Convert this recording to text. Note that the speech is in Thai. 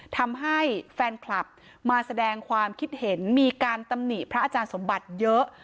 ทำให้แฟนคลับมาแสดงความคิดเห็นมีการตำหนิพระอาจารย์สมบัติเยอะ